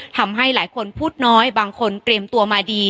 ทำให้หลายคนพูดน้อยบางคนเตรียมตัวมาดี